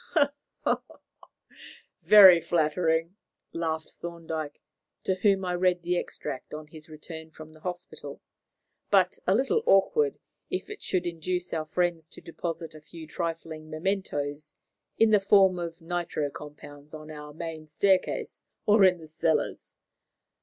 "Very flattering," laughed Thorndyke, to whom I read the extract on his return from the hospital, "but a little awkward if it should induce our friends to deposit a few trifling mementoes in the form of nitro compounds on our main staircase or in the cellars.